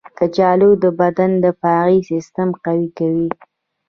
کچالو د بدن دفاعي سیستم قوي کوي.